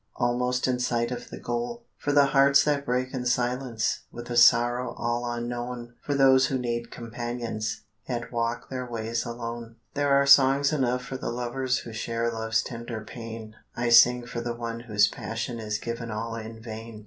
Almost in sight of the goal; For the hearts that break in silence, With a sorrow all unknown, For those who need companions, Yet walk their ways alone. There are songs enough for the lovers Who share love's tender pain, I sing for the one whose passion Is given all in vain.